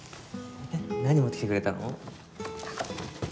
何持ってきてくれたの？